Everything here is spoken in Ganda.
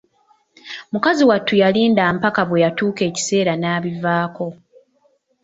Mukazi wattu yalinda mpaka bwe yatuuka ekiseera n'abivaako.